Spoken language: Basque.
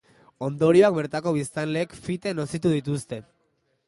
Ondorioak bertako biztanleek fite nozitu dituzte.